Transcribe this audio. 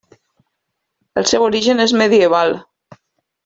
El seu origen és medieval.